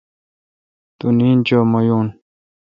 تو نیند چو مہ یون۔